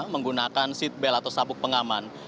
menggunakan seatbelt atau sabuk pengaman